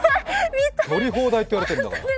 採り放題って言われてるんだから。